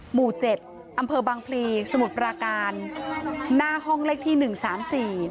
หมู่เจ็ดอำเภอบางพลีสมุทรปราการหน้าห้องเลขที่หนึ่งสามสี่